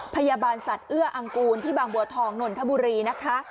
พยาบาลสัตว์เอื้ออังกูลที่บางบัวทองนนทบุรีนะคะ